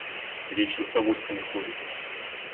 Вечно с авоськами ходит.